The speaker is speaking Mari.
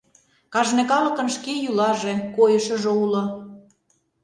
Кажне калыкын шке йӱлаже, койышыжо уло.